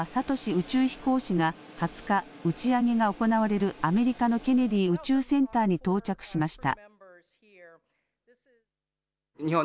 宇宙飛行士が２０日、打ち上げが行われるアメリカのケネディ宇宙センターに到着しました。